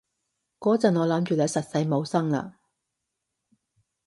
嗰陣我諗住你實死冇生喇